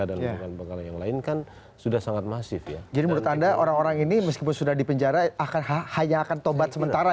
dan lain lain yang lain kan sudah sangat masif ya jadi menurut anda orang orang ini meskipun sudah di penjara akan hanya akan tobat sebesar itu ya